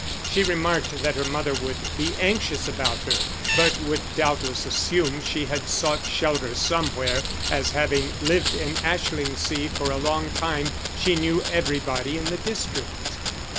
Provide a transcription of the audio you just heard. She remarked that her mother would be anxious about her, but would doubtless assume she had sought shelter somewhere, as having lived in Ashlingsea for a long time she knew everybody in the district.